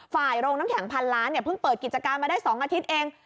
โรงน้ำแข็งพันล้านเนี่ยเพิ่งเปิดกิจการมาได้๒อาทิตย์เอง